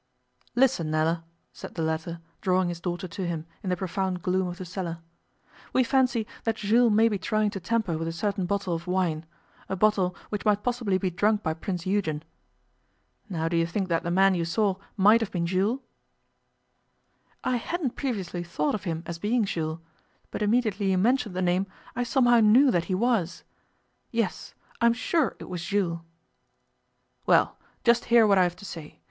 'Listen, Nella,' said the latter, drawing his daughter to him in the profound gloom of the cellar. 'We fancy that Jules may be trying to tamper with a certain bottle of wine a bottle which might possibly be drunk by Prince Eugen. Now do you think that the man you saw might have been Jules?' 'I hadn't previously thought of him as being Jules, but immediately you mentioned the name I somehow knew that he was. Yes, I am sure it was Jules.' 'Well, just hear what I have to say.